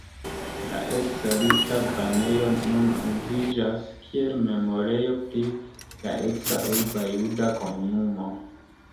La eksa rita banejo nun uziĝas kiel memorejo pri la eksa urba juda komunumo.